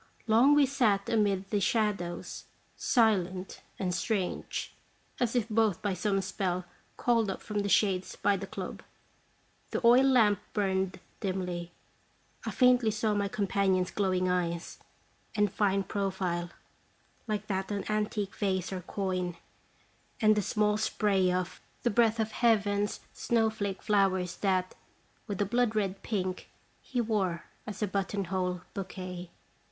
Long we sat amid the shadows, silent and strange, as if both by some spell called up from the shades by the club. The oil lamp burned dimly. I faintly saw my companion's glowing eyes, and fine profile, like that on antique vase or coin, and the small spray of 294 "3tw tlje Eteair the breath of heaven's snowflake flowers that, with a blood red pink, he wore as a button hole bouquet.